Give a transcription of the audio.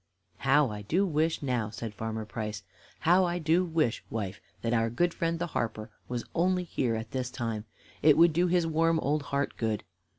"How I do wish, now," said Farmer Price, "how I do wish, wife, that our good friend the harper was only here at this time. It would do his warm old heart good.